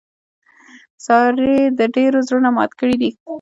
سارې د ډېرو زړونه مات کړي دي.